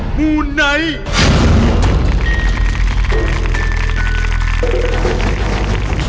หลังว่า